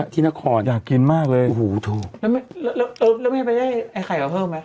ที่นครอยากกินมากเลยแล้วไม่ได้ไข่เราเพิ่มไหม